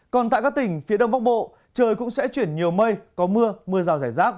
còn tại các tỉnh phía đông bắc bộ trời cũng sẽ chuyển nhiều mây có mưa mưa rào rải rác